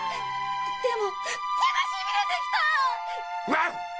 でも手がしびれてきた！